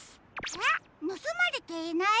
えっぬすまれていない？